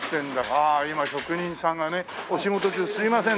ああ今職人さんがね。お仕事中すいませんです。